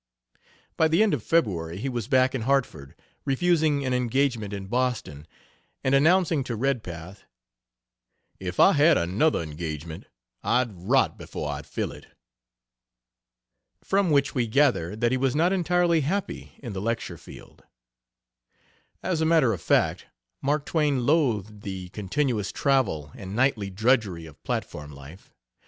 By the end of February he was back in Hartford, refusing an engagement in Boston, and announcing to Redpath, "If I had another engagement I'd rot before I'd fill it." From which we gather that he was not entirely happy in the lecture field. As a matter of fact, Mark Twain loathed the continuous travel and nightly drudgery of platform life.